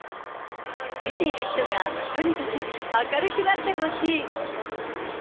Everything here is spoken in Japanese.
見ている人がとにかく明るくなってほしい。